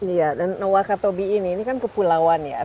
iya dan wakatobi ini ini kan kepulauan ya